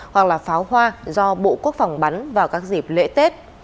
hoặc là pháo hoa do bộ quốc phòng bắn vào các dịp lễ tết